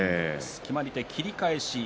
決まり手は切り返し。